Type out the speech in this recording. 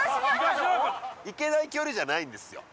行けない距離じゃないんですよ